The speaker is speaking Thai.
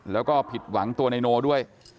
แล้วก็ผิดหวังตัวนายโนด้วย